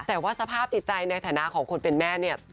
แต่ว่าสภาพจิตใจในฐานะของคนเป็นแม่เนี่ย